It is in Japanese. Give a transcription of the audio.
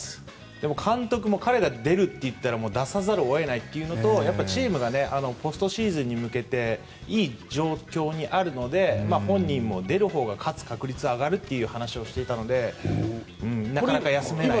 でも監督が彼が出ると言ったら出さざるを得ないというのとチームがポストシーズンに向けていい状況にあるので本人も出るほうが勝つ確率が上がるという話をしていたのでなかなか休めないのかなと。